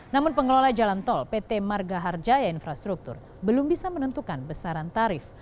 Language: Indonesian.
namun pengelola jalan tol pt marga harjaya infrastruktur belum bisa menentukan besaran tarif